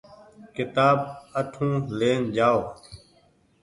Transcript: ڪيتآب اٺو لين جآئو۔